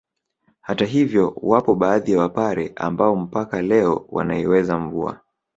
Hata hivyo wapo baadhi ya wapare ambao mpaka leo wanaiweza mvua